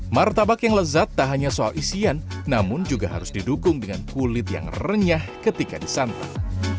martabak yang lezat tak hanya soal isian namun juga harus didukung dengan kulit yang renyah ketika disantap